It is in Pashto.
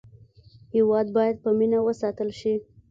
هېواد باید په مینه وساتل شي.